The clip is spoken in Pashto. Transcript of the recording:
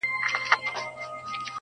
• بېګا خوب وینمه تاج پر سر باچا یم..